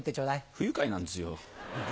不愉快なんですよ。